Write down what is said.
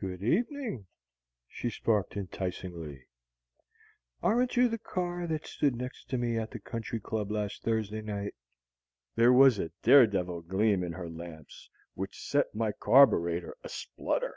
"Good evening," she sparked enticingly. "Aren't you the car that stood next to me at the country club last Thursday night?" There was a daredevil gleam in her lamps which set my carbureter a splutter.